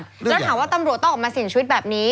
แล้วถามว่าตำรวจต้องออกมาเสี่ยงชีวิตแบบนี้